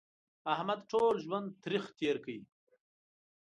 احمد ټول ژوند تریخ تېر کړ.